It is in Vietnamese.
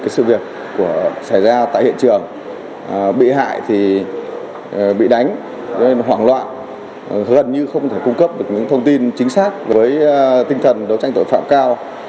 cái sự việc xảy ra tại hiện trường bị hại thì bị đánh hoảng loạn gần như không thể cung cấp được những thông tin chính xác với tinh thần đối tranh tội phạm cao